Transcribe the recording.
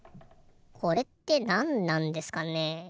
これってなんなんですかね？